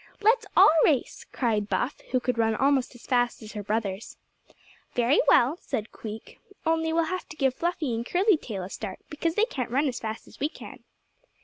"Let's all race," cried Buff, who could run almost as fast as her brothers. "Very well," said Queek; "only we'll have to give Fluffy and Curly Tail a start, because they can't run as fast as we can."